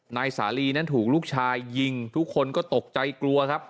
นายสาลีนั้นถูกลูกชายยิงทุกคนก็ตกใจกลัวครับ